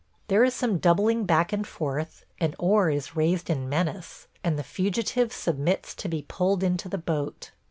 There is some doubling back and forth, an oar is raised in menace, and the fugitive submits to be pulled into the boat.